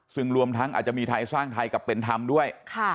ซึ่งรวมทั้งอาจจะมีไทยสร้างไทยกับเป็นธรรมด้วย